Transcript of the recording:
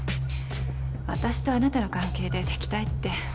私とあなたの関係で敵対って。